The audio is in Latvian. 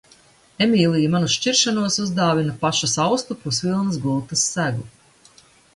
Emīlija man uz šķiršanos uzdāvina pašas austu pusvilnas gultas segu.